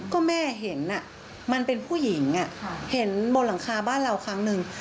ก็แม่เห็นมันเป็นผู้หญิงเห็นบนหลังคาบ้านเราครั้งหนึ่ง